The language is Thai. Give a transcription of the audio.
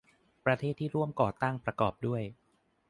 ประเทศที่ร่วมก่อตั้งประกอบด้วย